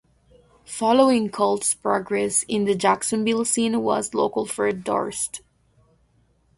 Following Cold's progress in the Jacksonville scene was local Fred Durst.